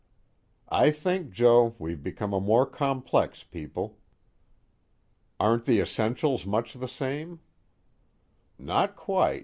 "I think, Joe, we've become a more complex people." "Aren't the essentials much the same?" "Not quite.